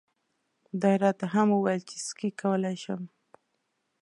دا یې هم راته وویل چې سکی کولای شم.